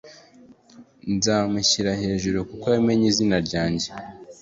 nzamushyira hejuru kuko yamenye izina ryanjye